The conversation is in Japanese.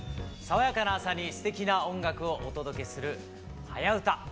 爽やかな朝にすてきな音楽をお届けする「はやウタ」。